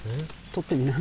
取ってみな。